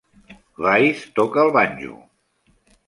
Weiss toca el banjo.